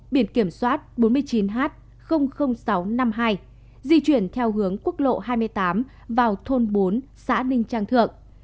biển kiểm soát bốn mươi chín h sáu trăm năm mươi hai di chuyển theo hướng quốc lộ hai mươi tám vào thôn bốn xã ninh trang thượng